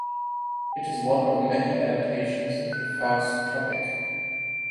It is one of many adaptations of the Faust topic.